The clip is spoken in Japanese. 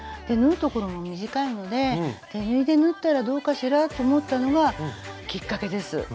縫う所も短いので手縫いで縫ったらどうかしらと思ったのがきっかけです。